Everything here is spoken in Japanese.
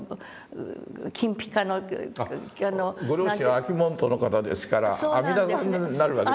ご両親は安芸門徒の方ですから阿弥陀さんになるわけですね。